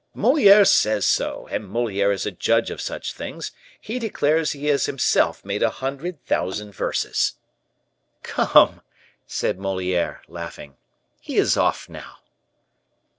"Moliere says so, and Moliere is a judge of such things; he declares he has himself made a hundred thousand verses." "Come," said Moliere, laughing, "he is off now."